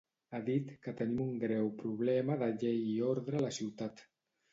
Ha dit que tenim un greu problema de llei i ordre a la ciutat.